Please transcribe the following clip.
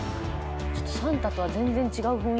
ちょっとサンタとは全然違う雰囲気だな。